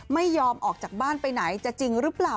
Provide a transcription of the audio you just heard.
ไม่ยอมออกจากบ้านไปไหนจะจริงหรือเปล่า